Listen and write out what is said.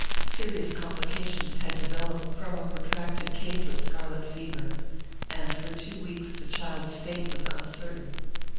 Serious complications had developed from a protracted case of scarlet fever, and for two weeks the child's fate was uncertain.